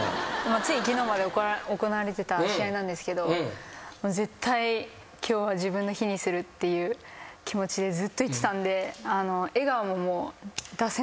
つい昨日まで行われてた試合なんですけど絶対今日は自分の日にするっていう気持ちでずっといってたんで。